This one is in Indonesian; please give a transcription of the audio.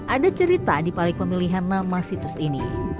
ada cerita di balik pemilihan nama situs ini